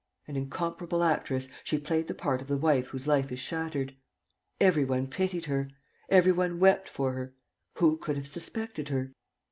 An incomparable actress, she played the part of the wife whose life is shattered. Every one pitied her. Every one wept for her. Who could have suspected her?